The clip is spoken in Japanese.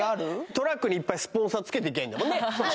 トラックにいっぱいスポンサーつけてきゃいいんだもんね